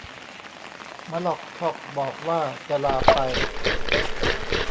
มะลอกทอกบอกว่าจะลาไป